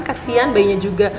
kasian bayinya juga